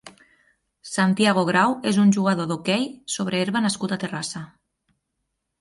Santiago Grau és un jugador d'hoquei sobre herba nascut a Terrassa.